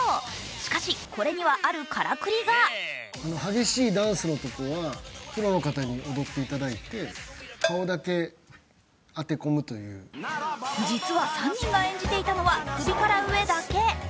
しかし、これにはあるからくりが実は３人が演じていたのは首から上だけ。